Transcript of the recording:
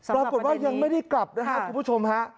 ปรากฏว่ายังไม่ได้กลับนะครับคุณผู้ชมฮะ